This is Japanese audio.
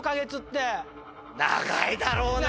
長いだろうね。